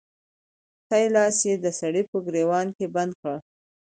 ښی لاس يې د سړي په ګرېوان کې بند کړ.